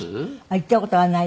行った事はない。